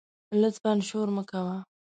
لطفآ شور مه کوه